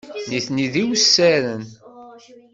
Nitni d iwessaren.